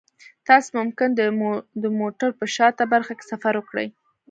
تاسو ممکن د موټر په شاته برخه کې سفر وکړئ